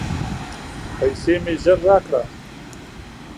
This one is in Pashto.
پیسې مي ژر راکړه !